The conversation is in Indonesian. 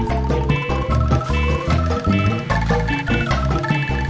sampai jumpa di video selanjutnya